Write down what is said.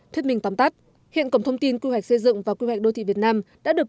thuyết minh tắm tắt hiện cổng thông tin quy hoạch xây dựng và quy hoạch đô thị việt nam đã được